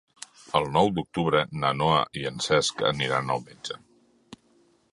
El nou d'octubre na Noa i en Cesc aniran al metge.